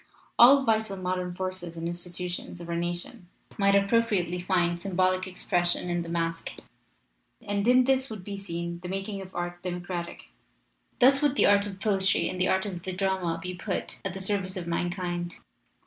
All vital modern forces and institutions of our nation might appropriately find symbolic expression in the masque. "And in this would be seen the making of art democratic. Thus would the art of poetry and the art of the drama be put at the service of man kind.